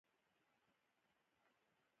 د ډاکترانو په وینا که تر وخته مخکې